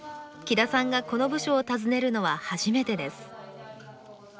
木田さんがこの部署を訪ねるのは初めてです。